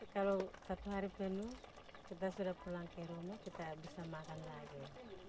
kalau satu hari penuh kita sudah pulang ke rumah kita bisa makan lagi